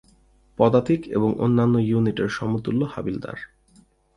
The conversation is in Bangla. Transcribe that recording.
পদাতিক এবং অন্যান্য ইউনিটের সমতুল্য হাবিলদার।